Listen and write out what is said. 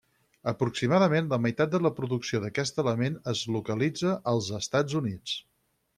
Aproximadament la meitat de la producció d'aquest element es localitza als Estats Units.